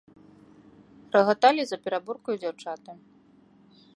Рагаталі за пераборкаю дзяўчаты.